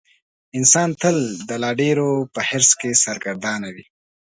انسان تل د لا ډېرو په حرص کې سرګردانه وي.